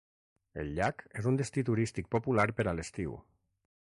El llac és un destí turístic popular per a l'estiu.